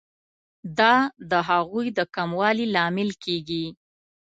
دا د هغوی د کموالي لامل کیږي.